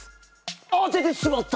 当ててしまった！